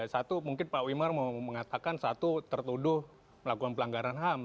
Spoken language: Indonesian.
satu mungkin pak wimar mau mengatakan satu tertuduh melakukan pelanggaran ham